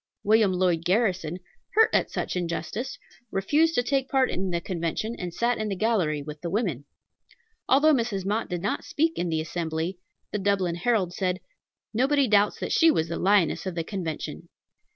William Lloyd Garrison, hurt at such injustice, refused to take part in the Convention, and sat in the gallery with the women. Although Mrs. Mott did not speak in the assembly, the Dublin Herald said, "Nobody doubts that she was the lioness of the Convention."